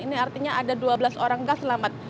ini artinya ada dua belas orang kas selamat